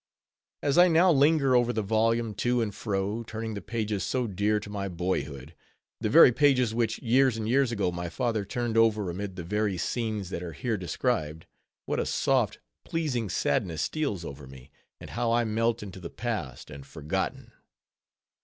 As I now linger over the volume, to and fro turning the pages so dear to my boyhood,—the very pages which, years and years ago, my father turned over amid the very scenes that are here described; what a soft, pleasing sadness steals over me, and how I melt into the past and forgotten!